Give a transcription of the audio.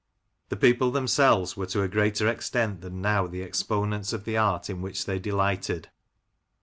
The people themselves were to a greater extent than now the exponents of the art in which they delighted.